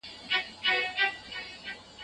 د شعرونو کتابچه وای